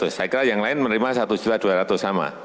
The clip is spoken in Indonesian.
saya kira yang lain menerima rp satu dua ratus sama